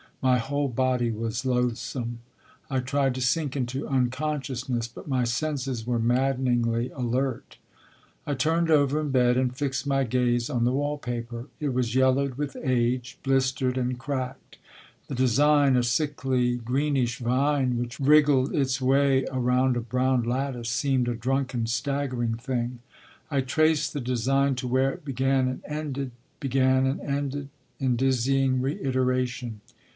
My whole body was loathsome. I tried to sink into unconsciousness, but my senses were maddeningly alert. I turned over in bed and fixed my gaze on the wallpaper. It was yellowed with age, blistered, and cracked. The design, a sickly, greenish vine which wriggled its way around a brown lattice, seemed a drunken, staggering thing. I traced the design to where it began and ended, began and ended, in dizzying reiteration.